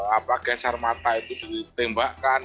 apa geser mata itu ditembakkan